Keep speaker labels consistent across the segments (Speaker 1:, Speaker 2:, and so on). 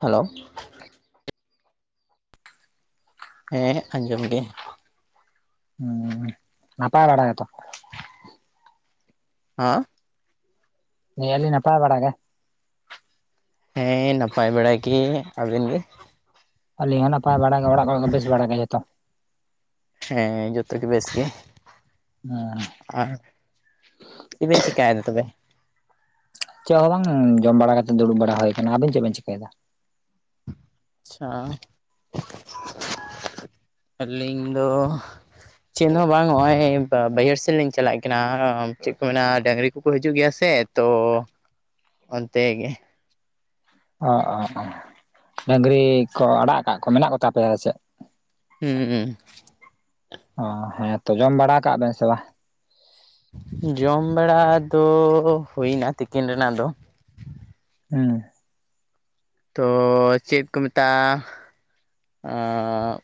Speaker 1: Hello ᱦᱮᱸ ᱟᱸᱡᱚᱢ ᱜᱮ,
Speaker 2: ᱦᱩᱸ ᱱᱟᱯᱟᱭ ᱵᱟᱲᱟ ᱜᱮ ᱛᱚ?
Speaker 1: ᱟᱸᱻ
Speaker 2: ᱞᱟᱹᱭ ᱟ ᱞᱹᱤᱧ ᱱᱟᱯᱟᱭ ᱵᱟᱲᱟ ᱜᱮ?
Speaker 1: ᱦᱮᱸ ᱱᱟᱯᱟᱭ ᱵᱟᱲᱟ ᱜᱮ ᱟᱵᱮᱱ ᱜᱮ?
Speaker 2: ᱟᱹᱞᱤᱧ ᱦᱚᱸ ᱱᱟᱯᱟᱭ ᱵᱟᱲ ᱜᱮ ᱚᱲᱟᱜ ᱠᱚᱨᱮ ᱫᱚ ᱵᱮᱥ ᱵᱟᱲᱟᱜ ᱜᱮ ᱡᱚᱛᱚ?
Speaker 1: ᱦᱮᱸ ᱡᱚᱛᱚ ᱜᱮ ᱵᱮᱥ ᱜᱮ,
Speaker 2: ᱦᱮᱸ
Speaker 1: ᱟᱨ ᱪᱮᱫᱵᱤᱱ ᱪᱤᱠᱟᱭᱫᱟ ᱛᱚᱵᱮ?
Speaker 2: ᱪᱮᱫ ᱦᱚᱸ ᱵᱟᱝ ᱡᱚᱢ ᱵᱟᱲᱟ ᱠᱟᱛᱮᱫ ᱫᱩᱲᱩᱵ ᱵᱟᱲᱟ ᱦᱩᱭ ᱟᱠᱟᱱᱟ ᱟᱵᱤᱱ ᱪᱮᱫ ᱵᱤᱱ ᱪᱤᱠᱟᱹᱭ ᱫᱟ?
Speaker 1: ᱟᱪᱪᱷᱟ ᱟᱹᱞᱤᱧ ᱫᱚᱼᱼ ᱪᱮᱫ ᱦᱚᱸ ᱵᱟᱝ ᱱᱚᱜᱼᱚᱭ ᱵᱟᱹᱭᱦᱟᱹᱲ ᱥᱮᱫ ᱞᱤᱧ ᱪᱟᱞᱟᱜ ᱠᱟᱱᱟ ᱪᱮᱫ ᱠᱚ ᱢᱮᱱᱟ ᱰᱟᱹᱝᱨᱤ ᱠᱚᱠᱚ ᱦᱤᱡᱩᱜ ᱜᱮᱭᱟ ᱥᱮᱼᱼ ᱛᱚ ᱚᱱᱛᱮ ᱜᱮᱼᱼ
Speaker 2: ᱚ ᱚ ᱰᱟᱹᱝᱨᱤ ᱠᱚ ᱟᱲᱟᱜ ᱟᱠᱟᱫ ᱠᱚ ᱢᱮᱱᱟᱜ ᱠᱚᱛᱟ ᱯᱮᱭᱟ ᱪᱮᱫ?
Speaker 1: ᱦᱩᱸᱻ
Speaker 2: ᱚ ᱦᱮᱸ ᱛᱚ ᱡᱚᱢ ᱵᱟᱲᱟ ᱠᱟᱜ ᱵᱮᱱ ᱥᱮ ᱵᱟᱝ?
Speaker 1: ᱡᱚᱢ ᱵᱟᱲᱟ ᱫᱚ ᱦᱩᱭᱱᱟ ᱛᱤᱠᱤᱱ ᱨᱮᱱᱟᱜ ᱫᱚᱼᱼ
Speaker 2: ᱦᱩᱸ
Speaker 1: ᱛᱚ ᱪᱮᱫ ᱠᱚ ᱢᱮᱛᱟᱜᱼᱟ ᱚᱸᱻ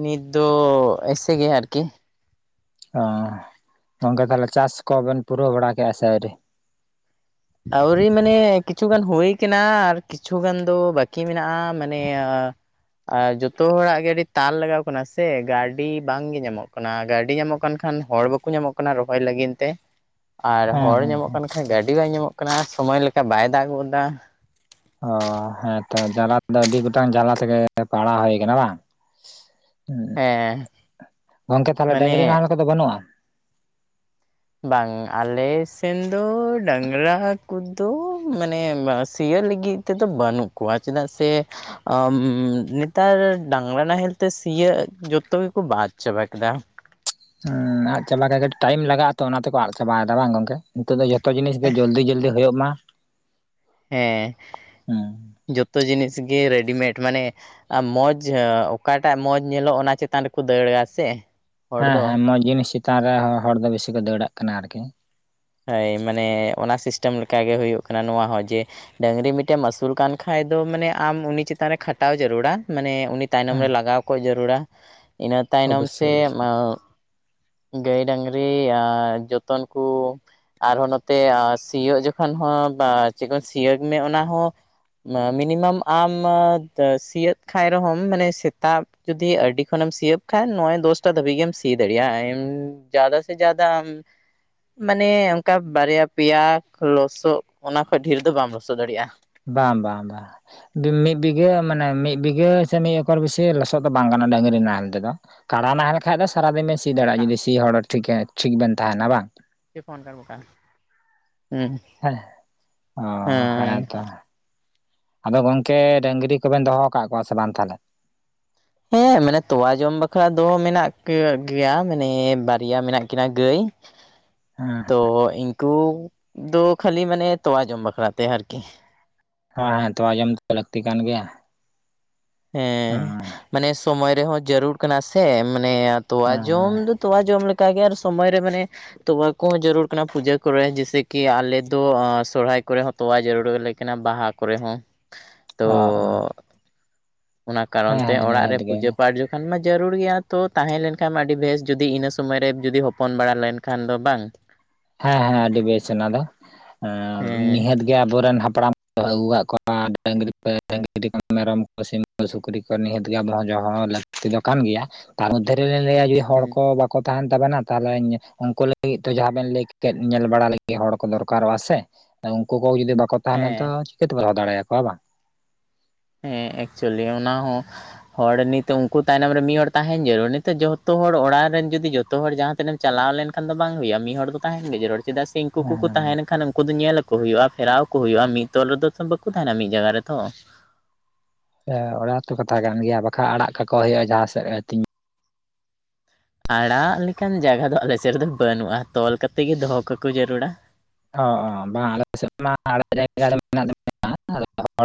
Speaker 1: ᱱᱤᱛ ᱫᱚ ᱮᱥᱮ ᱜᱮ ᱟᱨᱠᱤ᱾
Speaker 2: ᱚ ᱜᱚᱝᱠᱮ ᱛᱟᱦᱚᱞᱮ ᱪᱟᱥ ᱠᱚᱵᱮᱱ ᱯᱩᱨᱟᱹᱣ ᱵᱟᱲᱟ ᱠᱮᱫᱮᱜᱼᱟ ᱥᱮ ᱟᱹᱣᱨᱤ?
Speaker 1: ᱟᱹᱣᱨᱤ ᱢᱟᱱᱮ ᱠᱤᱪᱷᱩ ᱜᱟᱱ ᱦᱩᱭ ᱠᱟᱱᱟ ᱟᱨ ᱠᱤᱪᱷᱩ ᱜᱟᱱ ᱫᱚ ᱵᱟᱹᱠᱤ ᱢᱮᱱᱟᱜᱼᱟ ᱢᱟᱱᱮᱼᱼ ᱟᱨ ᱡᱚᱛᱚ ᱦᱚᱲᱟᱜ ᱜᱮ ᱟᱹᱰᱤ ᱛᱟᱞ ᱞᱟᱜᱟᱣ ᱠᱟᱱᱟ ᱥᱮ ᱜᱟᱹᱰᱤ ᱵᱟᱝ ᱜᱮ ᱧᱟᱢᱚᱜ ᱠᱟᱱᱟ ᱜᱟᱹᱰᱤ ᱧᱟᱢᱚᱜ ᱠᱟᱱ ᱠᱷᱟᱱᱼᱼ ᱠᱷᱟᱱ ᱦᱚᱲ ᱵᱟᱠᱚ ᱧᱟᱢᱚᱜ ᱠᱟᱱᱟ ᱨᱚᱦᱚᱭ ᱞᱟᱹᱜᱤᱫ ᱛᱮ᱾ ᱟᱨ
Speaker 2: ᱦᱮᱸ
Speaker 1: ᱦᱚᱲ
Speaker 2: ᱦᱮᱸ
Speaker 1: ᱧᱟᱢᱚᱜ ᱠᱟᱱ ᱠᱷᱟᱡ ᱜᱟᱹᱰᱤ ᱵᱟᱭ ᱧᱟᱢᱚᱜ ᱠᱟᱱᱟ ᱥᱚᱢᱚᱭ ᱞᱮᱠᱟ ᱵᱟᱭ ᱫᱟᱜ ᱜᱚᱫ ᱫᱟᱼᱼ
Speaker 2: ᱚ ᱦᱮᱸᱛᱚ ᱡᱟᱞᱟ ᱫᱚ ᱟᱹᱰᱤ ᱜᱚᱴᱟᱝ ᱡᱟᱞᱟ ᱛᱮᱜᱮ ᱯᱟᱲᱟᱣ ᱦᱩᱭ ᱠᱟᱱᱟ ᱵᱟᱝ? ᱦᱩᱸ
Speaker 1: ᱦᱮᱸ
Speaker 2: ᱜᱚᱝᱠᱮ ᱛᱟᱦᱚᱞᱮ
Speaker 1: ᱢᱟᱱᱮ
Speaker 2: ᱰᱟᱝᱨᱤ ᱱᱟᱦᱮᱞ ᱠᱚᱫᱚ ᱵᱟᱹᱱᱩᱜᱼᱟ?
Speaker 1: ᱵᱟᱝ ᱟᱞᱮ ᱥᱮᱱ ᱫᱚ ᱰᱟᱝᱨᱟ ᱠᱚᱫᱚ ᱢᱟᱱᱮ ᱥᱤᱭᱚᱜ ᱞᱟᱹᱜᱤᱫᱼᱼ ᱛᱮᱫ ᱫᱚ ᱵᱟᱹᱱᱩᱜ ᱠᱚᱣᱟ ᱪᱮᱫᱟᱜ ᱥᱮᱼᱼ ᱱᱮᱛᱟᱨ ᱰᱟᱝᱨᱟ ᱱᱟᱦᱮᱞ ᱛᱮ ᱥᱤᱭᱳᱜ ᱡᱚᱛᱚ ᱜᱮᱠᱚ ᱵᱟᱫ ᱪᱟᱵᱟ ᱠᱮᱫᱟᱼᱼ
Speaker 2: ᱦᱩᱸ ᱟᱫ ᱪᱟᱵᱟ ᱴᱟᱭᱤᱢ ᱞᱟᱜᱟᱜᱼᱟ ᱛᱚ ᱚᱱᱟᱛᱮᱠᱚ ᱟᱫ ᱪᱟᱵᱟᱭᱮᱫᱟ ᱵᱟᱝ ᱜᱚᱝᱠᱮ? ᱱᱤᱛᱚᱜ ᱫᱚ ᱡᱷᱚᱛᱚ ᱡᱤᱱᱤᱥ ᱜᱮ ᱡᱚᱞᱫᱤ ᱡᱚᱞᱫᱤ ᱦᱩᱭᱩᱜ ᱢᱟᱼᱼ
Speaker 1: ᱦᱮᱸ ᱡᱚᱛᱚ ᱡᱤᱱᱤᱥ ᱜᱮ ᱨᱮᱰᱤᱢᱮᱰ ᱢᱟᱱᱮᱼᱼ ᱟᱨ ᱢᱚᱡᱽ ᱚᱠᱟᱴᱟᱜ ᱢᱚᱡᱽ ᱧᱮᱞᱚᱜ ᱚᱱᱟ ᱪᱮᱛᱟᱱ ᱨᱮᱠᱚ ᱫᱟᱹᱲᱟ ᱥᱮᱼᱼ
Speaker 2: ᱦᱮᱸ ᱦᱮᱸ ᱢᱚᱡᱽ ᱡᱤᱱᱤᱥ ᱪᱮᱛᱟᱱ ᱨᱮ ᱦᱚᱲ ᱫᱚ ᱵᱤᱥᱤ ᱠᱚ ᱫᱟᱹᱲᱟᱜ ᱠᱟᱱᱟ ᱟᱨᱠᱤ᱾
Speaker 1: ᱦᱳᱭ ᱢᱟᱱᱮ ᱚᱱᱟ ᱥᱤᱥᱴᱮᱢ ᱞᱮᱠᱟᱜᱮ ᱦᱩᱭᱩᱜ ᱠᱟᱱᱟ ᱱᱚᱣᱟ ᱦᱚᱸ ᱡᱮᱼᱼ ᱰᱟᱹᱝᱨᱤ ᱢᱤᱫᱴᱮᱱ ᱮᱢ ᱟᱹᱥᱩᱞ ᱠᱟᱱ ᱠᱷᱟᱱ ᱫᱚ ᱢᱟᱱᱮ ᱟᱢ ᱩᱱᱤ ᱪᱮᱛᱟᱱ ᱨᱮ ᱠᱷᱟᱴᱟᱣ ᱡᱟᱹᱨᱩᱲᱟ ᱢᱟᱱᱮᱼᱼ ᱛᱟᱭᱱᱚᱢ ᱨᱮ ᱞᱟᱜᱟᱣ ᱠᱚᱜ ᱡᱟᱹᱨᱩᱲᱟ ᱤᱱᱟᱹ ᱛᱟᱭᱱᱚᱢ
Speaker 2: ᱚᱵᱚᱥᱥᱳᱭ
Speaker 1: ᱥᱮᱼᱼ
Speaker 2: ᱚᱵᱚᱥᱥᱳᱭ
Speaker 1: ᱜᱟᱹᱭ ᱰᱟᱹᱝᱨᱤ ᱟᱨ ᱡᱚᱛᱚᱱ ᱠᱩᱼᱼ ᱟᱨᱦᱚᱸ ᱱᱚᱛᱮ ᱥᱤᱭᱳᱜ ᱡᱚᱠᱷᱚᱱ ᱦᱚᱸ ᱪᱮᱫ ᱥᱤᱭᱳᱜ ᱢᱮ ᱚᱱᱟ ᱦᱚᱸ ᱢᱤᱱᱤᱢᱟᱢ ᱟᱢ ᱥᱤᱭᱳᱜ ᱠᱷᱟᱱ ᱨᱮᱦᱚᱸ ᱢᱟᱱᱮ ᱥᱮᱛᱟᱜᱼᱼ ᱡᱩᱫᱤ ᱟᱹᱰᱤ ᱠᱷᱚᱱᱮᱢ ᱥᱤᱭᱳᱜ ᱠᱷᱟᱱ ᱱᱚᱜᱚᱭ ᱫᱚᱥᱴᱟ ᱫᱷᱟᱹᱵᱤᱡ ᱜᱮᱢ ᱥᱤ ᱫᱟᱲᱮᱭᱟᱜᱼᱟ ᱡᱟᱫᱟ ᱥᱮ ᱡᱟᱫᱟ ᱟᱢᱼᱼ ᱢᱟᱱᱮ ᱚᱱᱠᱟ ᱵᱟᱨᱭᱟ ᱯᱮᱭᱟ ᱞᱚᱥᱚᱫ ᱚᱱᱟ ᱠᱷᱚᱡ ᱰᱷᱮᱨ ᱫᱚ ᱵᱟᱢ ᱞᱚᱥᱚᱫ ᱫᱟᱲᱮᱭᱟᱜᱼᱟ᱾
Speaker 2: ᱵᱟᱝ, ᱵᱟᱝ, ᱵᱟᱝ ᱢᱤᱫ ᱵᱤᱜᱷᱟᱹ ᱢᱟᱱᱮ ᱢᱤᱫ ᱵᱤᱜᱷᱟᱹ ᱥᱮ ᱢᱤᱫ ᱚᱠᱚᱨ ᱵᱮᱥᱤ ᱞᱚᱥᱚᱫ ᱫᱚ ᱵᱟᱝ ᱠᱟᱱᱟ ᱰᱟᱹᱝᱨᱤ ᱱᱟᱦᱮᱞ ᱛᱮᱫᱚ ᱠᱟᱰᱟ ᱱᱟᱦᱮᱞ ᱠᱷᱟᱡ ᱫᱚ ᱥᱟᱨᱟᱫᱤᱱ ᱵᱮᱱ ᱥᱤ ᱫᱟᱲᱮᱭᱟᱜᱼᱟ ᱡᱩᱫᱤ ᱥᱤ ᱦᱚᱲ ᱴᱷᱤᱠ ᱮ ᱴᱷᱤᱠ ᱵᱮᱱ ᱛᱟᱦᱮᱱᱟ ᱵᱟᱝ?
Speaker 1: [unintelligible] ᱦᱩᱸ
Speaker 2: ᱦᱮᱸ ᱚ ᱦᱮᱸᱛᱚ᱾ ᱟᱫᱚ ᱜᱚᱝᱠᱮ ᱰᱟᱹᱝᱨᱤ ᱠᱚᱵᱮᱱ ᱫᱚᱦᱚ ᱟᱠᱟᱫ ᱠᱚᱣᱟ ᱥᱮ ᱵᱟᱝ ᱛᱟᱦᱚᱞᱮ?
Speaker 1: ᱦᱮᱸ ᱢᱟᱱᱮ ᱛᱚᱣᱟ ᱡᱚᱢ ᱵᱟᱠᱷᱨᱟ ᱫᱚ ᱢᱮᱱᱟᱜ ᱠᱟᱜ ᱜᱮᱭᱟ ᱢᱟᱱᱮ ᱵᱟᱨᱭᱟ ᱢᱮᱱᱟᱜ ᱠᱤᱱᱟᱹ ᱜᱟᱹᱭ᱾
Speaker 2: ᱦᱮᱸ᱾
Speaker 1: ᱛᱚ ᱤᱱᱠᱩ ᱫᱚ ᱠᱷᱟᱹᱞᱤ ᱢᱟᱱᱮ ᱛᱚᱣᱟ ᱡᱚᱢ ᱵᱟᱠᱷᱨᱟ ᱛᱮ ᱟᱨᱠᱤ᱾
Speaker 2: ᱦᱮᱸ ᱦᱮᱸ ᱛᱚᱣᱟ ᱡᱸᱚᱢ ᱫᱚ ᱞᱟᱹᱠᱛᱤ ᱠᱟᱱ ᱜᱮᱭᱟ᱾
Speaker 1: ᱦᱮᱸ, ᱢᱟᱱᱮ ᱥᱚᱢᱚᱭ ᱨᱮᱦᱚᱸ ᱡᱟᱹᱨᱩᱲ ᱠᱟᱱᱟ ᱥᱮ ᱢᱟᱱᱮ ᱛᱚᱣᱟ
Speaker 2: ᱦᱮᱸ
Speaker 1: ᱡᱚᱢ
Speaker 2: ᱦᱮᱸ
Speaker 1: ᱫᱚ ᱛᱚᱣᱟ ᱡᱚᱢ ᱞᱮᱠᱟ ᱜᱮ ᱟᱨ ᱥᱚᱢᱚᱭ ᱨᱮ ᱢᱟᱱᱮᱼᱼ ᱛᱚᱣᱟ ᱠᱚᱦᱚᱸ ᱡᱟᱹᱨᱩᱲ ᱠᱟᱱᱟ ᱯᱩᱡᱟᱹ ᱠᱚᱨᱮ ᱡᱮᱭᱥᱮ ᱠᱤ ᱟᱞᱮ ᱫᱚ ᱥᱚᱨᱦᱟᱭ ᱠᱚᱨᱮ ᱦᱚᱸ᱾ ᱛᱚᱣᱟ ᱡᱟᱹᱨᱩᱲᱟᱞᱮ ᱠᱟᱱᱟ ᱵᱟᱦᱟ ᱠᱚᱨᱮ ᱦᱚᱸ᱾ ᱛᱚ
Speaker 2: ᱚ ᱚᱸ᱾
Speaker 1: ᱚᱱᱟ ᱠᱟᱨᱚᱱ ᱛᱮ ᱚᱲᱟᱜ
Speaker 2: ᱱᱤᱦᱟᱹᱛ
Speaker 1: ᱨᱮ
Speaker 2: ᱜᱮ
Speaker 1: ᱯᱩᱡᱟᱹ ᱯᱟᱴ ᱡᱚᱠᱷ ᱠᱷᱟᱱ ᱢᱟ ᱡᱟᱹᱨᱩᱲ ᱜᱮᱭᱟ ᱛᱚ ᱛᱟᱦᱮᱸᱞᱱᱠᱷᱟᱱ ᱢᱟ ᱟᱹᱰᱤ ᱵᱮᱥ, ᱡᱩᱫᱤ ᱤᱱᱟᱹ ᱥᱚᱢᱚᱭ ᱨᱮ ᱡᱩᱫᱤ ᱦᱚᱯᱚᱱ ᱵᱟᱲᱟ ᱞᱮᱱᱠᱷᱟᱱ ᱫᱚ ᱵᱟᱝ?
Speaker 2: ᱦᱮᱸ ᱦᱮᱸ ᱟᱹᱰᱤ ᱵᱮᱥ ᱚᱱᱟ ᱫᱚ, ᱮᱸ
Speaker 1: ᱦᱮᱸ
Speaker 2: ᱱᱤᱦᱟᱹᱛ ᱟᱵᱚᱨᱮᱱ ᱦᱟᱯᱲᱟᱢ ᱠᱚ ᱟᱹᱜᱩ ᱠᱟᱜ ᱠᱚᱣᱟ [unintelligible] ᱢᱮᱨᱚᱢ ᱠᱚ ᱥᱤᱢ ᱥᱩᱠᱨᱤ ᱠᱚ ᱱᱤᱦᱟᱹᱛ ᱜᱮ ᱟᱵᱚ ᱦᱚᱸ ᱫᱚᱦᱚᱸ ᱦᱚᱸ ᱞᱟᱹᱠᱛᱤ ᱫᱚ ᱠᱟᱱ ᱜᱮᱭᱟ᱾ ᱛᱟᱨ ᱢᱚᱫᱽᱫᱷᱮ ᱨᱮᱞᱤᱧ ᱞᱟᱹᱭᱟ ᱡᱩᱫᱤ ᱦᱚᱲ ᱠᱚ ᱵᱟᱠᱚ ᱛᱟᱦᱮᱱ ᱛᱟᱵᱮᱱᱟ, ᱛᱟᱦᱚᱞᱮ ᱩᱱᱠᱩ ᱞᱟᱹᱜᱤᱫ ᱛᱮ ᱡᱟᱦᱟᱸ ᱵᱮᱱ ᱞᱟᱹᱭ ᱧᱮᱞ ᱵᱟᱲᱟ ᱞᱟᱹᱜᱤᱫ ᱦᱚᱲ ᱠᱚ ᱫᱚᱨᱠᱟᱨᱚᱜᱼᱟ ᱥᱮ, ᱩᱱᱠᱩ ᱠᱚ ᱡᱩᱫᱤ ᱵᱟᱠᱚ ᱛᱟᱦᱮᱱᱟ ᱛᱚ
Speaker 1: ᱦᱮᱸ
Speaker 2: ᱪᱤᱠᱟᱹ ᱛᱮᱵᱚ ᱫᱚᱦᱚ ᱫᱟᱲᱮᱭᱟᱠᱚᱣᱟ ᱵᱟᱝ ᱾
Speaker 1: ᱦᱮᱸ ᱮᱠᱪᱩᱭᱮᱞᱤ ᱚᱱᱟ ᱦᱚᱸ᱾ ᱦᱚᱲ ᱱᱤᱛᱚᱜ ᱩᱱᱠᱩ ᱛᱟᱭᱱᱚᱢ ᱨᱮ ᱢᱤᱫ ᱦᱚᱲ ᱛᱟᱦᱮᱱ ᱡᱟᱹᱨᱩᱲ, ᱱᱤᱛᱚᱜ ᱡᱚᱛᱚ ᱦᱚᱲ ᱚᱲᱟᱜ ᱨᱮᱱ ᱡᱩᱫᱤ ᱡᱚᱛᱚ ᱦᱚᱲ ᱡᱟᱦᱟᱸ ᱥᱮᱱ ᱮᱢ ᱪᱟᱞᱟᱣ ᱞᱮᱱᱠᱷᱟᱱ ᱫᱚ ᱵᱟᱝ ᱦᱩᱭᱩᱜᱼᱟ, ᱢᱤᱫ ᱦᱚᱲ ᱫᱚ ᱛᱟᱦᱮᱱ ᱜᱮ ᱡᱟᱹᱨᱲ ᱪᱮᱫᱟᱜ ᱥᱮ ᱤᱱᱠᱩ
Speaker 2: ᱦᱮᱸ
Speaker 1: ᱠᱚᱠᱚ ᱛᱟᱦᱮ ᱞᱮᱱ ᱠᱷᱟᱱ ᱩᱱᱠᱩ ᱫᱚ ᱧᱮᱞ ᱠᱚ ᱦᱩᱭᱩᱜᱼᱟ, ᱯᱷᱮᱨᱟᱣ ᱠᱚ ᱦᱩᱭᱩᱜᱼᱟ, ᱢᱤᱫ ᱛᱚᱞ ᱨᱮᱫᱚ ᱛᱚ ᱵᱟᱠ ᱩ ᱛᱟᱦᱮᱱᱟ ᱢᱤᱫ ᱡᱟᱜᱟ ᱨᱮᱛᱚ᱾
Speaker 2: ᱦᱮᱸ ᱚᱱᱟ ᱦᱚᱛᱚ ᱠᱟᱛᱷᱟ ᱠᱟᱱ ᱜᱮᱭᱟ, ᱵᱟᱠᱷᱟᱱ ᱟᱲᱟᱜ ᱠᱟᱠᱚ ᱦᱩᱭᱩᱜᱼᱟ, ᱡᱟᱦᱟᱸ ᱥᱮᱫ ᱨᱮ ᱟᱛᱤ
Speaker 1: ᱟᱲᱟᱜ ᱞᱮᱠᱟᱱ ᱡᱟᱜᱟ ᱫᱚ ᱟᱞᱮ ᱥᱮᱫ ᱨᱮ ᱫᱚ ᱵᱟᱹᱱᱩᱜᱼᱟ, ᱛᱚᱞ ᱠᱟᱛᱮ ᱜᱮ ᱫᱚᱦᱚ ᱠᱟᱠᱩ ᱡᱟᱹᱨᱩᱲᱟ᱾
Speaker 2: ᱚ ᱚᱸ ᱵᱟᱝ ᱟᱞᱮ ᱥᱮᱫ ᱢᱟ ᱟᱲᱟᱜ ᱡᱟᱭᱜᱟ ᱫᱚ ᱢᱮᱱᱟᱜ [unintelligible]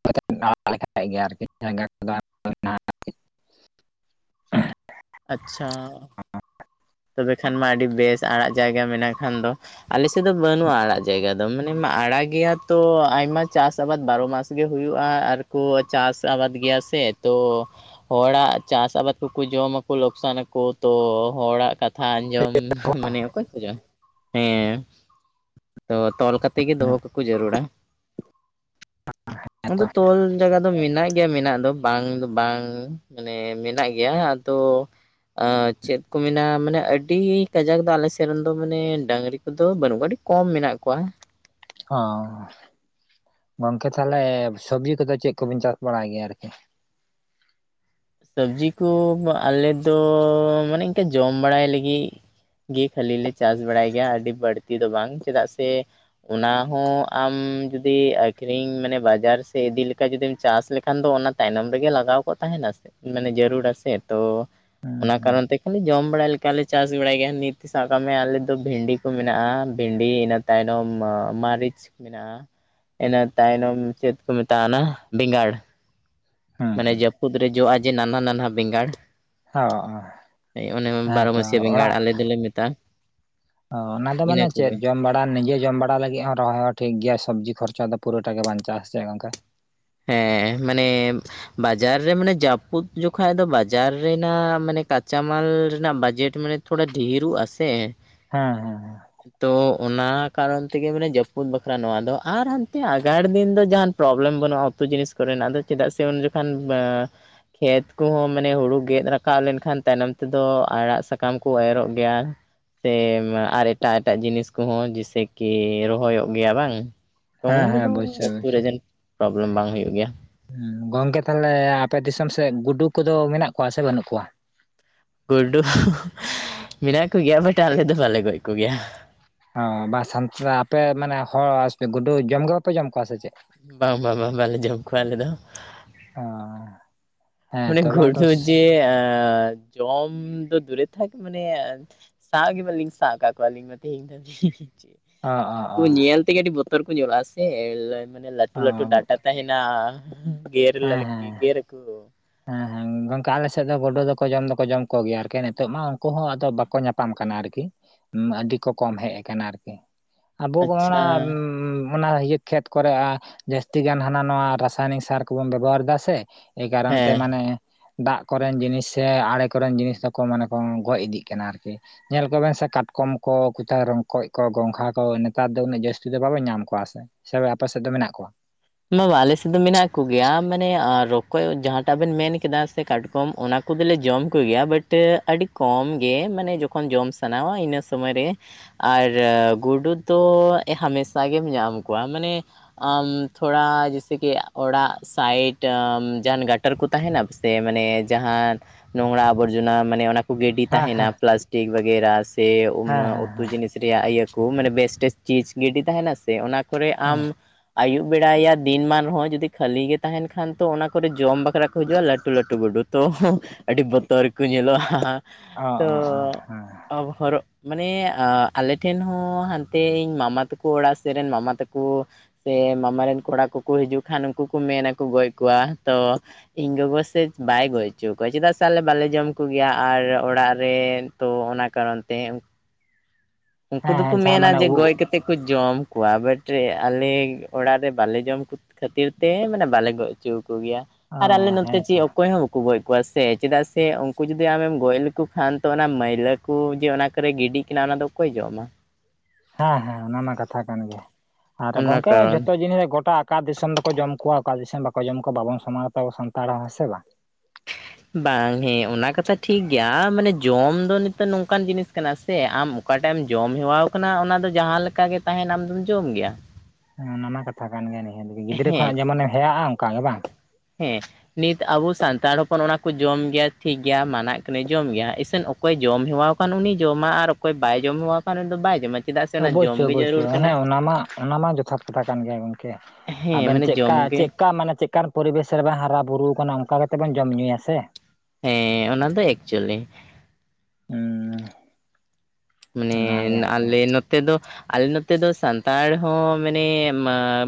Speaker 2: [unintelligible] ᱟᱲᱟᱜ ᱞᱮᱠᱷᱟᱡ ᱜᱮ ᱟᱨᱠᱤ ᱡᱟᱜᱟ ᱠᱚᱼᱼ
Speaker 1: ᱟᱪᱪᱷᱟ᱾ ᱛᱚᱵᱮ ᱠᱷᱟᱱ ᱢᱟ ᱟᱹᱰᱤ ᱵᱮᱥ ᱟᱲᱟᱜ ᱡᱟᱭᱜᱟ ᱢᱮᱱᱟᱜ ᱠᱷᱟᱱ ᱫᱚ ᱾ ᱟᱞᱮ ᱥᱮᱫ ᱫᱚ ᱵᱟᱹᱱᱩᱜᱼᱟ, ᱟᱲᱟᱜ ᱡᱟᱭᱜᱟ ᱫᱚ ᱢᱟᱱᱮ ᱟᱲᱟ ᱜᱮᱭᱟ ᱛᱚ ᱟᱭᱢᱟ ᱪᱟᱥ ᱟᱵᱟᱫ ᱵᱟᱨᱚ ᱢᱟᱥ ᱜᱮ ᱦᱩᱭᱩᱜᱼᱟ, ᱟᱨᱠᱚ ᱪᱟᱥ ᱟᱵᱟᱫ ᱜᱮᱭᱟ ᱥᱮ ᱛᱚ ᱦᱚᱲᱟᱜ ᱪᱟᱥ ᱟᱵᱟᱫᱽ ᱠᱚᱠᱩ ᱡᱚᱢ ᱟᱠᱩ ᱞᱚᱠᱥᱟᱱ ᱟᱠᱩ ᱛᱚ ᱦᱚᱲᱟᱜᱼᱼ ᱛᱷᱟ ᱟᱡᱚᱢ ᱢᱟᱱᱮ ᱚᱠᱚᱭ ᱠᱷᱚᱡᱚᱜ ᱟᱭ, ᱦᱮᱸ᱾ ᱛᱚ ᱛᱚᱞ ᱠᱟᱛᱮ ᱜᱮ ᱫᱚᱦᱚ ᱠᱟᱠᱚ ᱡᱟᱹᱨᱩᱲᱟ ᱟᱫᱚ
Speaker 2: ᱦᱮᱸᱛᱚ
Speaker 1: ᱛᱚᱞ ᱡᱟᱜᱟ ᱫᱚ ᱢᱮᱱᱟᱜ ᱜᱮᱭᱟ ᱢᱮᱱᱟᱜ ᱫᱚ ᱵᱟᱝ ᱫᱚ ᱵᱟᱝ᱾ ᱢᱟᱱᱮ ᱢᱮᱱᱟᱜ ᱜᱮᱭᱟ ᱟᱫᱚ ᱮᱸ ᱪᱮᱫ ᱠᱚ ᱢᱮᱱᱟᱼᱼ ᱢᱟᱱᱮ ᱟᱹᱰᱤ ᱠᱟᱡᱟᱠ ᱫᱚ ᱟᱞᱮ ᱥᱮᱫ ᱨᱮᱱ ᱫᱚ ᱢᱟᱱᱮ ᱰᱟᱹᱝᱨᱤ ᱠᱚᱫᱚ ᱵᱟᱹᱱᱩᱜ ᱠᱚᱣᱟ, ᱟᱹᱰᱤ ᱠᱚᱢ ᱢᱮᱱᱟᱜ ᱠᱚᱣᱟ ᱾
Speaker 2: ᱚᱸ, ᱜᱚᱝᱠᱮ ᱛᱟᱦᱚᱞᱮ ᱥᱚᱵᱽᱡᱤ ᱠᱚᱫᱚ ᱪᱮᱫ ᱠᱚᱵᱤᱱ ᱪᱟᱥ ᱵᱟᱲᱟᱭ ᱜᱮᱭᱟ ᱟᱨᱠᱤ?
Speaker 1: ᱥᱚᱵᱽᱡᱤ ᱠᱚ ᱟᱞᱮᱫᱚ ᱢᱟᱱᱮ ᱤᱱᱠᱟᱹ ᱡᱚᱢ ᱵᱟᱲᱟᱭ ᱞᱟᱹᱜᱤᱫ᱾ ᱜᱤ ᱠᱷᱟᱹᱞᱤ ᱞᱮ ᱪᱟᱥ ᱵᱟᱲᱟᱭ ᱜᱮᱭᱟ, ᱟᱹᱰᱤ ᱵᱟᱹᱲᱛᱤ ᱫᱚ ᱵᱟᱝ, ᱪᱮᱫᱟᱜ ᱥᱮᱼᱼ ᱚᱱᱟᱦᱚᱸ ᱟᱢ ᱡᱩᱫᱤ ᱟᱹᱷᱨᱤᱧ ᱢᱟᱱᱮ ᱵᱟᱡᱟᱨ ᱥᱮᱫ ᱤᱫᱤ ᱞᱮᱠᱟ ᱡᱩᱫᱤᱢ ᱪᱟᱥ ᱞᱮᱠᱷᱟᱱ ᱫᱚ ᱚᱱᱟ ᱛᱟᱭᱱᱚᱢ ᱨᱮᱜᱮ ᱞᱟᱜᱟᱣ ᱠᱚᱜ ᱛᱟᱦᱮᱱᱟ ᱥᱮ, ᱢᱟᱱᱮ ᱡᱟᱹᱨᱩᱲᱟ ᱥᱮ ᱛᱚ᱾
Speaker 2: ᱦᱩᱸ
Speaker 1: ᱚᱱᱟ
Speaker 2: ᱦᱩᱸ
Speaker 1: ᱠᱟᱨᱚᱱ ᱛᱮ ᱡᱚᱢ ᱵᱟᱲᱟ ᱞᱮᱠᱟᱞᱮ ᱪᱟᱥ ᱵᱟᱲᱟᱭ ᱜᱮᱭᱟ, ᱱᱤᱛ ᱥᱟᱵ ᱠᱟᱜ ᱢᱮ ᱟᱞᱮ ᱫᱚ ᱵᱷᱮᱱᱰᱤ ᱠᱚ ᱢᱮᱱᱟᱜᱼᱟ, ᱵᱷᱤᱱᱰᱤ ᱤᱱᱟᱹ ᱛᱟᱭᱱᱚᱢ ᱢᱟᱹᱨᱤᱪ ᱢᱮᱱᱟᱜᱼᱟ᱾ ᱤᱱᱟᱹ ᱛᱟᱭᱱᱚᱢ ᱪᱮᱫ ᱠᱚ ᱢᱮᱛᱟᱜ-ᱟ ᱚᱱᱟ ᱵᱮᱸᱜᱟᱲ᱾
Speaker 2: ᱦᱩᱸ
Speaker 1: ᱢᱟᱱᱮ
Speaker 2: ᱦᱩᱸ
Speaker 1: ᱡᱟᱹᱯᱩᱫ ᱨᱮ ᱡᱚᱜᱼᱟ ᱡᱮ ᱱᱟᱱᱦᱟ ᱱᱟᱱᱦᱟ ᱵᱮᱸᱜᱟᱲ᱾
Speaker 2: ᱚ ᱚ
Speaker 1: ᱚᱱᱮ ᱵᱟᱨᱚ
Speaker 2: ᱦᱮᱸᱛᱚ
Speaker 1: ᱢᱟᱹᱥᱤᱭᱟᱹ ᱵᱮᱸᱜᱟᱲ
Speaker 2: ᱚᱲᱟᱜ
Speaker 1: ᱟᱞᱮ ᱫᱚᱞᱮ ᱢᱮᱛᱟᱜᱼᱟ ᱾
Speaker 2: ᱚ ᱚᱱᱟ ᱫᱚ ᱢᱟᱱᱮ ᱪᱮᱫ ᱡᱚᱢ ᱵᱟᱲᱟ ᱱᱤᱡᱮ ᱡᱚᱢ ᱵᱟᱲᱟ᱾ ᱟᱲᱟ ᱞᱟᱹᱜᱤᱫ ᱦᱚᱸ ᱨᱚᱦᱚᱭ ᱦᱚᱸ ᱴᱷᱤᱠ ᱜᱮᱭᱟ ᱥᱚᱵᱽᱡᱤ ᱠᱷᱚᱨᱪᱟ ᱫᱚ ᱯᱩᱨᱟᱹ ᱴᱟ ᱜᱮ ᱵᱟᱧᱪᱟᱜᱼᱟ, ᱥᱮ ᱪᱮᱫ ᱜᱚᱝᱠᱮ?
Speaker 1: ᱦᱮᱸ ᱢᱟᱱᱮᱼᱼ ᱵᱟᱡᱟᱨ ᱨᱮ ᱢᱟᱱᱮ ᱡᱟᱹᱯᱩᱫ ᱡᱚᱠᱷᱟᱡ ᱫᱚ ᱵᱟᱡᱟᱨ ᱨᱮᱱᱟᱜ ᱢᱟᱱᱮ ᱠᱟᱸᱪᱟ ᱢᱟᱞ ᱨᱮᱱᱟᱜ ᱵᱟᱡᱮᱴ ᱢᱟᱱᱮ ᱛᱷᱚᱲᱟ ᱰᱷᱤᱨᱩᱜ ᱟᱥᱮ ᱾
Speaker 2: ᱦᱮᱸ ᱦᱮᱸ ᱦᱮᱸ
Speaker 1: ᱛᱚ ᱚᱱᱟ ᱠᱟᱨᱚᱱ ᱛᱮᱜᱮ ᱢᱟᱱᱮ ᱡᱟᱹᱯᱩᱫ ᱵᱟᱠᱷᱨᱟ ᱱᱚᱣᱟ ᱫᱚ ᱟᱨ ᱦᱟᱱᱛᱮ ᱟᱜᱟᱲ ᱫᱤᱱ ᱫᱚ ᱡᱟᱦᱟᱱ ᱯᱨᱚᱵᱞᱮᱢ ᱵᱟᱹᱱᱩᱜᱼᱟ ᱾ ᱛᱚ ᱡᱤᱱᱤᱥ ᱠᱚᱨᱮᱱᱟᱜ ᱪᱮᱫᱟᱜ ᱥᱮ ᱩᱱ ᱡᱚᱠᱷᱚᱱᱼᱼ ᱠᱷᱮᱛ ᱠᱚᱦᱚᱸ ᱢᱟᱱᱮ ᱦᱩᱲᱩ ᱜᱮᱫ ᱨᱟᱠᱟᱵ ᱞᱮᱱᱠᱷᱟᱱ ᱛᱟᱭᱱᱚᱢ ᱛᱮᱫᱚ ᱟᱲᱟᱜ ᱥᱟᱠᱟᱢ ᱠᱚ ᱮᱨᱚᱜ ᱜᱮᱭᱟ ᱾ ᱥᱮ ᱟᱨ ᱮᱴᱟᱜ ᱮᱴᱟᱜ ᱡᱤᱱᱤᱥ ᱠᱚᱦᱚᱸ ᱡᱮᱥᱮ ᱠᱤ ᱨᱚᱦᱚᱭᱚᱜ ᱜᱮᱭᱟ ᱵᱟᱝ ᱛᱚ
Speaker 2: ᱦᱮᱸ
Speaker 1: ᱚᱸᱰᱮ
Speaker 2: ᱦᱮᱸ
Speaker 1: ᱫᱚ
Speaker 2: ᱚᱵᱚᱥᱥᱳᱭ
Speaker 1: ᱩᱛᱩᱳ
Speaker 2: ᱚᱵᱚᱥᱥᱳᱭ
Speaker 1: ᱨᱮᱡᱮᱱᱴ ᱯᱨᱚᱵᱞᱮᱢ ᱵᱟᱝ ᱦᱩᱭᱩᱜ ᱜᱮᱭᱟ ᱾
Speaker 2: ᱜᱚᱝᱠᱮ ᱛᱟᱦᱚᱞᱮ ᱟᱯᱮ ᱫᱤᱥᱚᱢ ᱥᱮᱫ ᱜᱩᱰᱩ ᱠᱚᱫᱚ ᱢᱮᱱᱟᱜ ᱠᱚᱣᱟ ᱥᱮ ᱵᱟᱹᱱᱩᱜ ᱠᱚᱣᱟ ᱾
Speaker 1: ᱜᱩᱰᱩ ᱢᱮᱱᱟᱜ ᱠᱚᱜᱮᱭᱟ ᱵᱟᱴ ᱟᱞᱮ ᱫᱚ ᱵᱟᱞᱮ ᱜᱚᱡ ᱠᱚᱜᱮᱭᱟ ᱾
Speaker 2: ᱚ ᱵᱟ ᱥᱟᱱᱛᱟᱲ ᱟᱯᱮ ᱢᱟᱱᱮ ᱦᱚᱲᱯᱮ ᱜᱩᱰᱩ ᱡᱚᱢ ᱜᱮ ᱵᱟᱯᱮ ᱡᱚᱢ ᱠᱚᱣᱟ ᱥᱮ ᱪᱮᱫ?
Speaker 1: ᱵᱟᱝ ᱵᱟᱝ ᱵᱟᱝ ᱵᱟᱞᱮ ᱡᱚᱢ ᱠᱚᱣᱟ ᱟᱞᱮ ᱫᱚ ᱾
Speaker 2: ᱦᱟ [unintelligible]
Speaker 1: ᱚᱱᱤ ᱜᱩᱰᱩ ᱡᱤᱞ ᱡᱚᱢ ᱫᱚ ᱫᱩᱨᱮ ᱛᱷᱟᱠ ᱢᱟᱱᱮᱼᱼ ᱥᱟᱜᱽ ᱜᱮ ᱵᱟᱞᱤᱧ ᱥᱟᱜᱽ ᱠᱟᱜ ᱠᱚᱣᱟ ᱟᱞᱤᱧ ᱢᱟ ᱛᱮᱦᱮᱱ ᱫᱷᱟ. ᱵᱤᱟ
Speaker 2: ᱚ ᱚ
Speaker 1: ᱩᱱᱠᱩ
Speaker 2: ᱚ
Speaker 1: ᱧᱮᱞ ᱛᱮᱜᱮ ᱟᱹᱰᱤ ᱵᱚᱛᱚᱨ ᱠᱚ ᱧᱮᱞᱚᱜᱼᱟ ᱥᱮ ᱾ ᱢᱟᱱᱮ ᱞᱟᱴᱩ
Speaker 2: ᱚ
Speaker 1: ᱞᱟᱴᱩ ᱰᱟᱴᱟ ᱛᱟᱦᱮᱱᱟ ᱜᱮᱨ ᱞᱟ
Speaker 2: ᱦᱮᱸ ᱦᱮᱸ
Speaker 1: ᱜᱮᱨᱮ ᱨᱟᱠᱚ ᱾
Speaker 2: ᱦᱮᱸ ᱦᱮᱸ ᱜᱚᱝᱠᱮ ᱟᱞᱮᱥᱮᱫ ᱫᱚ ᱜᱩᱰᱩ ᱫᱚᱠᱚ ᱡᱚᱢ ᱫᱚᱼᱼ ᱠᱚ ᱡᱚᱢ ᱠᱚᱜᱮᱭᱟ ᱟᱨᱠᱤ ᱱᱤᱛᱚᱜ ᱢᱟ ᱩᱱᱠᱩ ᱦᱚᱸ ᱟᱫᱚ ᱵᱟᱠᱚ ᱧᱟᱯᱟᱢ ᱠᱟᱱᱟ ᱟᱨᱠᱤᱼᱼ ᱟᱹᱰᱤ ᱠᱚ ᱠᱚᱢ ᱦᱮᱡ ᱟᱠᱟᱱᱟ ᱟᱨᱠᱤ, ᱟᱵᱚ
Speaker 1: ᱟᱪᱪᱷᱟ
Speaker 2: ᱱᱟᱼᱼ ᱚᱱᱟ ᱤᱭᱟᱹ ᱠᱷᱮᱛ ᱠᱚᱨᱮ ᱡᱟᱹᱥᱛᱤ ᱜᱟᱱ ᱦᱟᱱᱟ ᱱᱚᱣᱟ ᱨᱟᱥᱟᱭᱱᱤᱠ ᱥᱟᱨ ᱠᱚᱵᱚᱱ ᱵᱮᱵᱚᱦᱟᱨ ᱮᱫᱟ ᱥᱮ ᱮᱠᱟᱼᱼ ᱛᱮ
Speaker 1: ᱦᱮᱸ
Speaker 2: ᱢᱟᱱᱮ ᱫᱟᱜ ᱠᱚᱨᱮᱱ ᱡᱤᱱᱤᱥ ᱥᱮ ᱟᱲᱮ ᱠᱚᱨᱮᱱ ᱡᱤᱱᱤᱥ ᱫᱚᱠᱚ ᱢᱟᱱᱮ ᱠᱚ ᱜᱚᱡ ᱤᱫᱤᱜ ᱠᱟᱱᱟ ᱟᱨᱠᱤᱼᱼ ᱧᱮᱞ ᱠᱚᱵᱮᱱ ᱥᱮ ᱠᱟᱴᱠᱚᱢ ᱠᱚ ᱨᱚᱠᱚᱡ ᱠᱚ ᱜᱚᱝᱜᱷᱟ ᱠᱚ ᱱᱮᱛᱟᱨ ᱫᱚ ᱩᱱᱟᱹᱜ ᱡᱟᱹᱥᱛᱤ ᱫᱚ ᱵᱟᱵᱚᱱ ᱧᱟᱢ ᱠᱚᱣᱟ ᱥᱮ ᱾ ᱥᱮ ᱟᱯᱮ ᱥᱮᱫ ᱫᱚ ᱢᱮᱱᱟᱜ ᱠᱚᱣᱟ?
Speaker 1: ᱵᱟ ᱵᱟ ᱟᱞᱮᱥᱮᱫ ᱫᱚ ᱢᱮᱱᱟᱜ ᱠᱚᱜᱮᱭᱟ ᱢᱟᱱᱮ ᱨᱚᱠᱚᱡ ᱡᱟᱦᱟᱸᱴᱟᱜ ᱵᱮᱱ ᱢᱮᱱ ᱠᱮᱫᱟ ᱥᱮ ᱠᱟᱴᱠᱚᱢ ᱚᱱᱟ ᱼᱼ ᱩᱱᱠᱩ ᱫᱚᱞᱮ ᱡᱚᱢ ᱠᱚᱜᱮᱭᱟ ᱵᱟᱴ ᱟᱹᱰᱤ ᱠᱚᱢ ᱜᱮ ᱢᱟᱱᱮ ᱡᱚᱠᱷᱚᱱ ᱡᱚᱢ ᱥᱟᱱᱟᱣᱟ ᱤᱱᱟᱹ ᱥᱚᱢᱚᱭ ᱨᱮᱼᱼ ᱟᱨ ᱜᱩᱰᱩ ᱫᱚ ᱦᱟᱢᱮᱥᱟ ᱜᱮᱢ ᱧᱟᱢ ᱠᱚᱣᱟ, ᱢᱟᱱᱮ ᱟᱢᱼᱼ ᱛᱷᱚᱲᱟ ᱡᱮᱭᱥᱮ ᱠᱤ ᱚᱲᱟᱜ ᱥᱟᱭᱤᱰ ᱡᱟᱦᱟᱱ ᱜᱟᱴᱟᱨ ᱠᱚ ᱛᱟᱦᱮᱱᱟ ᱥᱮ ᱢᱟᱱᱮ ᱡᱟᱦᱟᱱᱼᱼ ᱱᱚᱜᱲᱟ ᱟᱵᱚᱨᱡᱚᱱᱟ ᱢᱟᱱᱮ ᱚᱱᱟ ᱠᱚ ᱜᱤᱰᱤ
Speaker 2: ᱦᱮᱸ
Speaker 1: ᱛᱟᱦᱮᱱᱟ
Speaker 2: ᱦᱮᱸ
Speaker 1: ᱯᱞᱟᱥᱴᱤᱠ ᱵᱟᱜᱨᱟ ᱥᱮ
Speaker 2: ᱦᱮᱸ ᱦᱮᱸ ᱦᱮᱸ
Speaker 1: ᱩᱛᱩ ᱡᱤᱱᱤᱥᱼᱼ ᱨᱮᱭᱟᱜ ᱤᱭᱟᱹ ᱠᱚ ᱢᱟᱱᱮ ᱵᱮᱥᱴ ᱪᱤᱡᱽ ᱜᱤᱰᱤ ᱛᱟᱦᱮᱱᱟ ᱥᱮ ᱚᱱᱟ ᱠᱚᱨᱮ ᱟᱢ ᱟᱭᱩᱵ ᱵᱮᱲᱟᱭᱟ ᱫᱤᱱ ᱢᱟᱱ ᱨᱮᱦᱚᱸ ᱡᱩᱫᱤ ᱠᱷᱟᱹᱞᱤ ᱜᱮ ᱛᱟᱦᱮᱱ ᱠᱷᱟᱱ ᱛᱚ ᱚᱱᱟ ᱠᱚᱨᱮ ᱡᱚᱢ ᱵᱟᱠᱷᱨᱟᱼᱼ ᱨᱟ ᱠᱚ ᱦᱤᱡᱩᱜᱼᱟ ᱞᱟᱹᱴᱩ ᱞᱟᱹᱴᱩ ᱜᱟᱹᱰᱩ ᱛᱚ ᱟᱹᱰᱤ ᱵᱚᱛᱚᱨ ᱜᱮᱠᱚ ᱧᱮᱞᱚᱜᱼᱟ
Speaker 2: ᱚ ᱚ
Speaker 1: ᱾ ᱛᱚ
Speaker 2: ᱚ ᱦᱮᱸ
Speaker 1: ᱟᱵᱚ ᱚᱨᱚᱜ ᱢᱟᱱᱮ ᱟᱞᱮ ᱴᱷᱮᱱ ᱦᱚᱸ ᱦᱟᱱᱛᱮ ᱤᱧ ᱢᱟᱢᱟ ᱛᱟᱠᱚ ᱚᱲᱟᱜ ᱥᱮᱫ ᱨᱮᱱ ᱢᱟᱢᱟ ᱛᱮᱠᱚ, ᱥᱮ ᱢᱟᱢᱟ ᱨᱮᱱ ᱠᱚᱲᱟ ᱠᱚᱠᱚ ᱦᱤᱡᱩᱜ ᱠᱷᱟᱱ ᱩᱱᱠᱩ ᱠᱚ ᱢᱮᱱᱟᱠᱚ ᱜᱚᱡ ᱠᱚᱣᱟ ᱛᱚᱼᱼ ᱤᱧ ᱜᱚᱜᱚ ᱥᱮ ᱵᱟᱭ ᱜᱚᱡ ᱦᱚᱪᱚ ᱟᱠᱚᱣᱟ ᱪᱮᱫᱟᱜ ᱥᱮ ᱟᱞᱮ ᱵᱟᱞᱮ ᱡᱚᱢ ᱠᱚᱜᱮᱭᱟ ᱟᱨ ᱚᱲᱟᱜ ᱨᱮᱼᱼ ᱛᱚ ᱚᱱᱟ ᱠᱟᱨᱚᱱ ᱛᱮᱼᱼ
Speaker 2: [inaudible]
Speaker 1: ᱩᱱᱠᱩ ᱫᱚᱠᱚ
Speaker 2: ᱡᱟᱦᱟᱸ
Speaker 1: ᱢᱮᱱᱟ
Speaker 2: ᱢᱟᱱᱮ
Speaker 1: ᱡᱮ
Speaker 2: ᱩᱵ
Speaker 1: ᱜᱚᱡ ᱠᱟᱛᱮᱜ ᱠᱚ ᱡᱚᱢ ᱠᱚᱣᱟ ᱵᱟᱴ ᱟᱞᱮ ᱟᱞᱮ ᱚᱲᱟᱜ ᱨᱮ ᱵᱟᱞᱮ ᱡᱚᱢ ᱠᱷᱟᱹᱛᱤᱨ ᱛᱮ ᱢᱟᱱᱮ ᱵᱟᱞᱮ ᱜᱚᱡ ᱦᱚᱪᱚ ᱟᱠᱚ ᱜᱮᱭᱟ
Speaker 2: ᱚ
Speaker 1: ᱾ ᱟᱨ ᱟᱞᱮ ᱱᱚᱛᱮ ᱪᱮᱫ
Speaker 2: ᱦᱮᱸᱛᱚ
Speaker 1: ᱚᱠᱚᱭ ᱦᱚᱸ ᱠᱚ ᱜᱚᱡ ᱠᱚᱣᱟ ᱥᱮ, ᱪᱮᱫᱟᱜ ᱥᱮ ᱩᱱᱠᱩ ᱡᱩᱫᱤ ᱟᱢᱮᱢ ᱜᱚᱡ ᱞᱮᱠᱚ ᱠᱷᱟᱱ ᱛᱚ ᱚᱱᱟ ᱢᱟᱹᱭᱞᱟᱹ ᱠᱚ ᱡᱮ ᱚᱱᱟ ᱠᱚᱨᱮ ᱜᱤᱰᱤᱜᱼᱼ ᱠᱤᱱᱟ ᱚᱱᱟ ᱫᱚ ᱚᱠᱚᱭ ᱡᱚᱢᱟ ᱾
Speaker 2: ᱦᱮᱸ ᱦᱮᱸ ᱚᱱᱟᱢᱟ ᱠᱟᱛᱷᱟ ᱠᱟᱱ ᱜᱮᱭᱟ, ᱟᱨ
Speaker 1: ᱚᱱᱟ
Speaker 2: ᱜᱚᱝᱠᱮ
Speaker 1: ᱠᱟᱨᱚᱱ
Speaker 2: ᱡᱷᱚᱛᱚ ᱡᱤᱱᱤᱥ ᱨᱮ ᱜᱚᱴᱟ ᱚᱠᱟ ᱫᱤᱥᱚᱢ ᱫᱚᱠᱚ ᱡᱚᱢ ᱠᱚᱣᱟ ᱚᱠᱟ ᱫᱤᱥᱚᱢ ᱵᱟᱠᱚ ᱡᱚᱢ ᱠᱚᱣᱟ ᱵᱟᱵᱚᱱ ᱥᱚᱢᱟᱝ ᱛᱟᱵᱚ ᱥᱟᱱᱛᱟᱲ ᱦᱮᱸ ᱥᱮ ᱵᱟᱝ?
Speaker 1: ᱵᱟᱝ ᱦᱮᱸ ᱚᱱᱟ ᱠᱟᱛᱷᱟ ᱴᱷᱤᱠᱜᱮᱭᱟ ᱢᱟᱱᱮ ᱡᱚᱢ ᱫᱚ ᱱᱤᱛᱚᱜ ᱱᱚᱝᱠᱟᱱ ᱡᱤᱱᱤᱥ ᱠᱟᱱᱟ ᱥᱮ ᱟᱢ ᱚᱠᱟᱴᱟᱜ ᱮᱢ ᱡᱚᱢ ᱦᱮᱣᱟ ᱠᱟᱱᱟ ᱚᱱᱟ ᱫᱚ ᱡᱟᱦᱟᱸ ᱞᱮᱠᱟ ᱜᱮ ᱛᱟᱦᱮᱱ ᱟᱢᱫᱚᱢ ᱡᱚᱢ ᱜᱮᱭᱟ ᱾
Speaker 2: ᱚᱱᱟ ᱢᱟ ᱠᱟᱛᱷᱟ ᱠᱟᱱ ᱜᱮᱭᱟ ᱱᱤᱦᱟᱹᱛ, ᱜᱤᱫᱽᱨᱟᱹ
Speaker 1: ᱦᱮᱸ
Speaker 2: ᱠᱷᱚᱱᱟᱜ ᱡᱮᱢᱚᱱᱮᱢ ᱦᱮᱭᱟᱜᱼᱟ ᱚᱱᱠᱟ ᱜᱮ ᱵᱟᱝ
Speaker 1: ᱦᱮᱸ ᱱᱤᱛ ᱟᱵᱚ ᱥᱟᱱᱛᱟᱲ ᱦᱚᱯᱚᱱ ᱚᱱᱟ ᱠᱚ ᱡᱚᱢ ᱜᱮᱭᱟ ᱴᱷᱤᱠ ᱜᱮᱭᱟ ᱢᱟᱱᱟᱜ ᱠᱟᱹᱱᱟᱹ ᱡᱚᱢ ᱜᱮᱭᱟ ᱤᱥᱮᱱ ᱚᱼᱼ ᱚᱠᱚᱭ ᱡᱚᱢ ᱦᱮᱣᱟ ᱠᱟᱱ ᱩᱱᱤ ᱡᱚᱢᱟ ᱟᱨ ᱚᱠᱚᱭ ᱵᱟᱭ ᱡᱚᱢ ᱦᱮᱣᱟ ᱠᱟᱱ ᱩᱱᱤ ᱫᱚ ᱵᱟᱭ ᱡᱚᱢᱟ ᱾
Speaker 2: ᱚᱵᱚᱥᱥᱳ ᱚᱵᱚᱥᱥᱳᱭ ᱦᱮᱸ ᱚᱱᱟ ᱢᱟᱼᱼ ᱚᱱᱟ ᱢᱟ ᱡᱚᱛᱷᱟᱛ ᱠᱟᱛᱷᱟ ᱠᱟᱱ ᱜᱮᱭᱟ ᱜᱚᱝᱠᱮ
Speaker 1: ᱦᱮᱸ
Speaker 2: ᱟᱵᱮᱱ
Speaker 1: ᱢᱟᱱᱮ ᱡᱚᱢ
Speaker 2: ᱪᱮᱫᱠᱟ
Speaker 1: ᱜᱮ
Speaker 2: ᱪᱮᱫᱠᱟ ᱢᱟᱱᱮ ᱪᱮᱫᱼᱼ ᱪᱮ ᱠᱟᱨ ᱯᱚᱨᱤᱵᱮᱥ ᱨᱮᱵᱮᱱ ᱦᱟᱨᱟ ᱵᱩᱨᱩ ᱠᱟᱱᱟ ᱚᱱᱠᱟ ᱠᱟᱛᱮ ᱵᱚᱱ ᱡᱚᱢ ᱧᱩᱭᱟ ᱥᱮ
Speaker 1: ᱦᱮᱸ ᱚᱱᱟ ᱫᱚ ᱮᱠᱪᱩᱭᱮᱞᱤ᱾
Speaker 2: ᱦᱮᱸᱻ
Speaker 1: ᱢᱟᱱᱮ
Speaker 2: ᱟᱨᱠᱤ
Speaker 1: ᱟᱞᱮ ᱱᱚᱛᱮ ᱫᱚᱼᱼ ᱟᱞᱮ ᱱᱚᱛᱮ ᱫᱚ ᱥᱟᱱᱛᱟᱲ ᱦᱚᱸ ᱢᱟᱱᱮ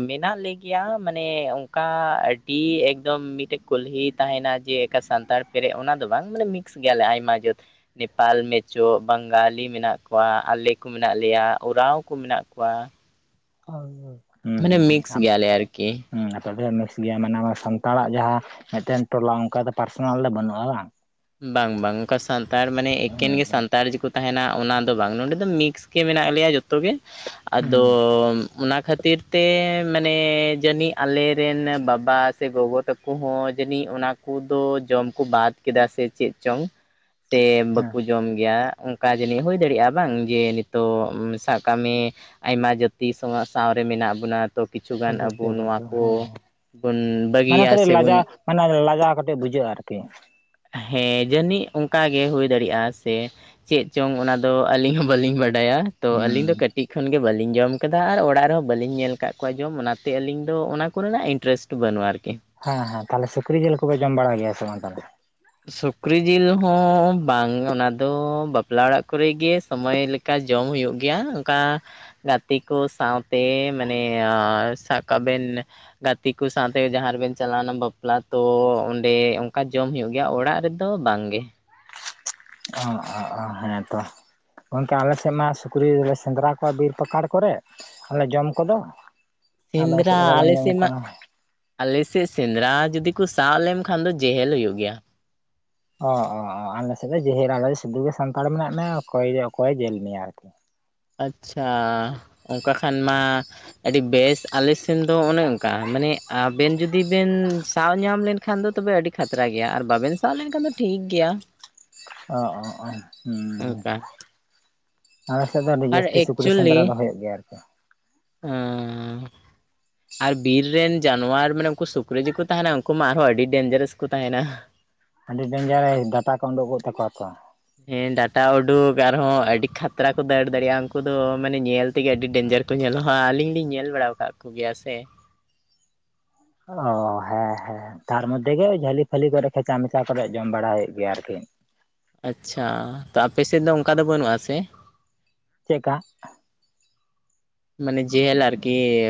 Speaker 1: ᱢᱮᱱᱟᱜ ᱞᱮ ᱜᱮᱭᱟ ᱢᱟᱱᱮ ᱚᱠᱟ ᱟᱹᱰᱤ ᱮᱠᱫᱚᱢ ᱢᱤᱫᱴᱮᱱ ᱠᱩᱞᱦᱤ ᱛᱟᱦᱮᱱᱟ ᱡᱮ ᱮᱠᱟ ᱥᱟᱱᱛᱟᱲ ᱯᱮᱨᱮᱡ ᱚᱱᱟ ᱫᱚ ᱵᱟᱝ ᱢᱟᱱᱮ ᱢᱤᱫᱼᱼ ᱢᱤᱠᱥ ᱜᱮᱭᱟᱞᱮ ᱟᱭᱢᱟ ᱡᱟᱹᱛ ᱱᱮᱯᱟᱞ ᱢᱮᱡᱳ ᱵᱟᱝᱜᱟᱞᱤᱼᱼ ᱢᱮᱱᱟᱜ ᱠᱚᱣᱟ ᱟᱞᱮ ᱠᱚ ᱢᱮᱱᱟᱜ ᱞᱮᱭᱟ ᱳᱨᱟᱣ ᱠᱚ ᱢᱮᱱᱟᱜ ᱠᱚᱣᱟ᱾
Speaker 2: ᱦᱳᱭ ᱦᱳᱭ
Speaker 1: ᱢᱟᱱᱮ ᱢᱤᱠᱥ ᱜᱮᱭᱟᱞᱮ ᱟᱨᱠᱤ᱾
Speaker 2: ᱟᱯᱮ ᱫᱚᱯᱮ ᱢᱤᱠᱥ ᱜᱮᱭᱟ ᱢᱟᱱᱮ ᱥᱟᱱᱛᱟᱲᱟᱜ ᱡᱟᱦᱟᱸ ᱢᱤᱫᱴᱮᱱ ᱴᱚᱞᱟ ᱚᱱᱠᱟ ᱫᱚ ᱯᱟᱨᱥᱚᱱᱟᱞ ᱫᱚ ᱵᱟᱹᱱᱩᱜᱼᱟ ᱵᱟᱝ?
Speaker 1: ᱵᱟᱝ ᱵᱟᱝ ᱚᱱᱠᱟ ᱥᱟᱱᱛᱟᱲ ᱢᱟᱱᱮ ᱮᱠᱮᱱ ᱜᱮ
Speaker 2: ᱦᱩᱸ
Speaker 1: ᱥᱟᱱᱛᱟᱲ ᱡᱮᱠᱚᱼᱼ ᱛᱟᱦᱮᱱᱟ ᱚᱱᱟᱫᱚ ᱵᱟᱝ ᱱᱚᱰᱮᱫᱚ ᱫᱚ ᱢᱤᱠᱥ ᱜᱮ ᱢᱮᱱᱟᱜ ᱞᱮᱭᱟ ᱡᱷᱚᱛᱚᱜᱮ
Speaker 2: ᱦᱩᱸ
Speaker 1: ᱟᱫᱚᱼᱼ ᱚᱱᱟ ᱠᱷᱟᱹᱛᱤᱨ ᱛᱮ ᱢᱟᱱᱮ ᱡᱟᱹᱱᱤᱡ ᱟᱞᱮᱨᱮᱱ ᱵᱟᱵᱟ ᱥᱮ ᱜᱚᱜᱚ ᱛᱟᱠᱚᱼᱼ ᱠᱩᱦᱚᱸ ᱡᱟᱹᱱᱤᱡ ᱚᱱᱟ ᱠᱚᱫᱚ ᱡᱚᱢ ᱠᱚ ᱵᱟᱫᱽ ᱠᱮᱫᱟ ᱥᱮᱼᱼ ᱥᱮ ᱪᱮᱫ ᱪᱚᱝ? ᱥᱮ
Speaker 2: ᱦᱮᱸ
Speaker 1: ᱵᱟᱠᱩᱼᱼ ᱡᱚᱢ ᱜᱮᱭᱟ ᱚᱱᱠᱟ ᱡᱟᱹᱱᱤᱡ ᱦᱩᱭ ᱫᱟᱲᱮᱭᱟᱜᱼᱟ ᱵᱟᱝ ᱡᱮ ᱱᱤᱛᱚᱜ ᱥᱟᱵ ᱠᱟᱜ ᱢᱮ, ᱟᱭᱢᱟ ᱡᱟᱹᱛᱤ ᱥᱟ ᱥᱟᱶᱨᱮ ᱢᱮᱱᱟᱜ ᱵᱚᱱᱟ ᱛᱚ ᱠᱤᱪᱷᱩ ᱜᱟᱱ ᱟᱵᱚ
Speaker 2: ᱚᱵᱚᱥᱥᱳᱭ
Speaker 1: ᱱᱚᱣᱟ
Speaker 2: ᱚᱵᱚᱥᱥᱳᱭ
Speaker 1: ᱠᱚ
Speaker 2: ᱦᱮᱸ
Speaker 1: ᱵᱚ
Speaker 2: ᱦᱮᱸ
Speaker 1: ᱵᱚᱱ
Speaker 2: ᱢᱟᱱᱮ
Speaker 1: ᱵᱟᱹᱜᱤᱭᱟ
Speaker 2: ᱠᱟᱹᱴᱤᱡ
Speaker 1: ᱥᱮᱵᱚᱱᱼᱼ
Speaker 2: ᱞᱟᱡᱟ ᱢᱟᱱᱮ ᱞᱟᱡᱟᱣ ᱠᱟᱴᱤᱡ ᱵᱩᱡᱷᱟᱹᱜᱼᱟ ᱟᱨᱠᱤ᱾
Speaker 1: ᱦᱮᱸ ᱡᱟᱹᱱᱤᱡ ᱚᱱᱠᱟ ᱜᱮ ᱦᱩᱭ ᱫᱟᱲᱮᱭᱟᱜᱼᱟ ᱥᱮᱼᱼ ᱪᱮᱫ ᱪᱚᱝ ᱚᱱᱟᱫᱚ ᱟᱹᱞᱤᱧ ᱦᱚᱸ ᱵᱟᱞᱤᱧ ᱵᱟᱰᱟᱭᱟ ᱛᱚ ᱟᱹᱞᱤᱧ ᱫᱚ
Speaker 2: ᱦᱩᱸ
Speaker 1: ᱠᱟᱹᱴᱤᱡ ᱠᱷᱚᱱᱜᱮ ᱵᱟᱞᱤᱧ ᱡᱚᱢᱼᱼ ᱠᱟᱫᱟ ᱟᱨ ᱚᱲᱟᱜ ᱨᱮᱦᱚᱸ ᱵᱟᱹᱞᱤᱧ ᱧᱮᱞ ᱠᱟᱫ ᱠᱚᱣᱟ ᱡᱚᱢ ᱚᱱᱟᱛᱮ ᱟᱹᱞᱤᱧ ᱫᱚ ᱚᱱᱟ ᱠᱚᱨᱮᱱᱟᱜ ᱤᱱᱴᱟᱨᱮᱥᱴ ᱵᱟᱹᱱᱩᱜᱼᱟ ᱟᱨᱠᱤᱼᱼ
Speaker 2: ᱦᱮᱸ ᱦᱮᱸ ᱛᱟᱦᱚᱞᱮ ᱥᱩᱠᱨᱤ ᱡᱮᱞ ᱠᱚᱯᱮ ᱡᱚᱢ ᱵᱟᱲᱟᱭ ᱜᱮᱭᱟ ᱥᱮ ᱵᱟᱝ ᱛᱚᱦᱞᱮ?
Speaker 1: ᱥᱩᱠᱨᱤ ᱡᱤᱞ ᱦᱚᱸ ᱵᱟᱝ ᱚᱱᱟ ᱫᱚ ᱵᱟᱯᱞᱟ ᱚᱲᱟᱜ ᱠᱚᱨᱮ ᱜᱮ ᱥᱚᱢᱚᱭ ᱞᱮᱠᱟᱼᱼ ᱠᱟ ᱡᱚᱢ ᱦᱩᱭᱩᱜ ᱜᱮᱭᱟ ᱚᱱᱠᱟᱼᱼ ᱜᱟᱛᱮ ᱠᱚ ᱥᱟᱶᱛᱮ ᱢᱟᱱᱮ ᱥᱟᱠᱟ ᱵᱮᱱ ᱜᱟᱛᱮ ᱠᱚ ᱥᱟᱶᱛᱮ ᱡᱟᱦᱟᱸ ᱨᱮᱵᱮᱱ ᱪᱟᱞᱟᱣᱱᱟ ᱵᱟᱯᱞᱟ ᱛᱚ ᱚᱸᱰᱮ ᱚᱱᱠᱟ ᱡᱚᱢ ᱦᱳᱭᱳᱜᱼᱼ ᱜᱮᱭᱟ ᱚᱲᱟᱜ ᱨᱮᱫᱚ ᱵᱟᱝᱜᱮ᱾
Speaker 2: ᱚ ᱚ ᱚ ᱦᱮᱸ ᱛᱚ᱾ ᱜᱚᱝᱠᱮ ᱟᱞᱮ ᱥᱮᱫ ᱢᱟ ᱥᱩᱠᱨᱤᱞᱮ ᱥᱮᱸᱫᱽᱨᱟ ᱠᱚᱣᱟ ᱵᱤᱨ ᱯᱟᱠᱟᱲ ᱠᱚᱨᱮ, ᱟᱨᱞᱮ ᱡᱚᱢ ᱠᱚᱫᱚ, ᱟᱵᱮᱱ ᱥᱮᱫ
Speaker 1: ᱥᱤᱱᱫᱨᱟ
Speaker 2: ᱫᱚ ᱵᱟᱵᱮᱱ ᱡᱚᱢ
Speaker 1: ᱟᱞᱥᱤᱫ ᱢᱟᱼᱼ
Speaker 2: ᱠᱚᱣᱟ
Speaker 1: ᱟᱞᱮᱥᱮᱫ ᱥᱮᱸᱫᱽᱨᱟ ᱡᱩᱫᱤ ᱠᱚ ᱥᱟᱵ ᱞᱮᱢ ᱠᱷᱟᱱ ᱫᱚ ᱡᱮᱦᱳᱞ ᱦᱩᱭᱩᱜ ᱜᱮᱭᱟ᱾
Speaker 2: ᱚ ᱚ ᱚ ᱟᱞᱮᱥᱮᱫ ᱫᱚ ᱡᱮᱦᱮᱨ ᱟᱞᱮ ᱫᱚ ᱥᱩᱫᱩ ᱜᱮ ᱥᱟᱱᱛᱟᱲ ᱢᱮᱱᱟᱜ ᱢᱮᱭᱟ ᱚᱠᱚᱭ ᱚᱠᱚᱭᱮ ᱡᱮᱞ ᱢᱮᱭᱟ ᱟᱨᱠᱤ᱾
Speaker 1: ᱟᱪᱪᱷᱟ ᱚᱱᱠᱟ ᱠᱷᱟᱱ ᱢᱟ ᱟᱹᱰᱤ ᱵᱮᱥ ᱟᱞᱮ ᱥᱮᱱ ᱫᱚ ᱚᱱᱮ ᱚᱱᱠᱟ ᱢᱟᱱᱮ ᱟᱵᱮᱱ ᱡᱩᱫᱤ ᱵᱮᱱ ᱥᱟᱵ ᱧᱟᱢ ᱞᱮᱱᱼᱼ ᱠᱷᱟᱱ ᱫᱚ ᱛᱚᱵᱮ ᱟᱹᱰᱤ ᱠᱷᱟᱛᱨᱟ ᱜᱮᱭᱟ ᱟᱨ ᱵᱟᱵᱮᱱ ᱥᱟᱵ ᱞᱮᱱᱠᱷᱟᱱ ᱫᱚ ᱴᱷᱤᱠ ᱜᱮᱭᱟ᱾
Speaker 2: ᱚ ᱚ ᱚ ᱻ ᱦᱩᱸ
Speaker 1: ᱚᱱᱠᱟ
Speaker 2: ᱟᱞᱮ ᱥᱮᱫ ᱫᱚ ᱟᱹᱰᱤ
Speaker 1: ᱟᱨ
Speaker 2: ᱡᱟᱹᱥᱛᱤ ᱥᱩᱠᱨᱤ ᱥᱮᱸᱫᱽᱨᱟ ᱫᱚ ᱦᱳᱭᱳᱜ ᱜᱮᱭᱟ᱾ ᱟᱨ
Speaker 1: ᱩᱸᱻ
Speaker 2: [inaudible]
Speaker 1: ᱟᱨ ᱵᱤᱨ ᱨᱮᱱ ᱡᱟᱱᱣᱟᱨ ᱢᱟᱱᱮ ᱩᱱᱠᱩ ᱥᱩᱠᱨᱤ ᱡᱮᱠᱚ ᱛᱟᱦᱮᱱᱟ ᱩᱱᱠᱩ ᱢᱟ ᱟᱨᱦᱚᱸ ᱟᱹᱰᱤ ᱰᱮᱱᱡᱟᱨᱟᱥ ᱠᱚ ᱛᱟᱦᱮᱱᱟ᱾
Speaker 2: ᱟᱹᱰᱤ ᱰᱮᱱᱡᱟᱨᱮᱥ ᱰᱟᱴᱟ ᱠᱚ ᱳᱰᱩᱞᱳᱠᱚᱜ ᱛᱟᱠᱚᱣᱟ?
Speaker 1: ᱦᱮᱸ ᱰᱟᱴᱟ ᱩᱰᱩᱠ ᱟᱨᱦᱚᱸ ᱟᱹᱰᱤ ᱠᱷᱟᱛᱨᱟ ᱠᱚ ᱫᱟᱹᱲ ᱫᱟᱲᱮᱭᱟᱜᱼᱟ ᱩᱱᱠᱩ ᱫᱚ ᱢᱟᱱᱮ ᱧᱮᱞ ᱛᱮᱜᱮ ᱟᱹᱰᱤ ᱰᱮᱧᱡᱟᱨᱼᱼ ᱠᱚ ᱧᱮᱞᱚᱜ ᱟᱹᱞᱤᱧ ᱞᱤᱧ ᱧᱮᱞ ᱵᱟᱲᱟᱣ ᱠᱟᱜ ᱠᱚᱜᱮᱭᱟ ᱥᱮᱼᱼ
Speaker 2: ᱚ ᱦᱮᱸ ᱦᱮᱸ ᱛᱟᱨ ᱢᱚᱫᱽᱫᱷᱮ ᱜᱮ ᱡᱷᱟᱹᱞᱤ ᱯᱷᱟᱹᱞᱤ ᱠᱚᱨᱮ ᱠᱷᱮᱪᱟ ᱢᱮᱪᱟ ᱠᱚᱨᱮ ᱡᱚᱢ ᱵᱟᱲᱟᱭᱴ ᱦᱩᱭᱩᱜ ᱜᱮᱭᱟ ᱟᱨᱠᱤ
Speaker 1: ᱟᱪᱪᱷᱟ ᱛᱚ ᱟᱯᱮ ᱥᱮᱫ ᱫᱚ ᱚᱱᱠᱟ ᱫᱚ ᱵᱟᱹᱱᱩᱜᱼᱟ ᱥᱮ?
Speaker 2: ᱪᱮᱫᱠᱟ?
Speaker 1: ᱢᱟᱱᱮ ᱡᱮᱦᱮᱞ ᱟᱨᱠᱤ ᱾